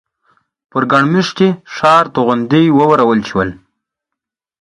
پر ګڼ مېشتي ښار توغندي وورول شول.